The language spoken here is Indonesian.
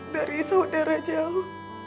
dari saudara jauh